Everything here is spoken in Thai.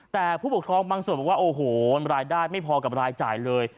แต่ผู้ปกครองบางส่วนบอกว่าโอ้โหรายได้ไม่พอกับรายจ่ายเลย